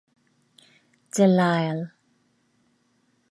De Lisle.